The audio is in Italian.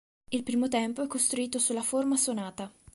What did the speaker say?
Il primo tempo è costruito sulla forma sonata.